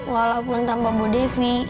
walaupun tanpa bu devi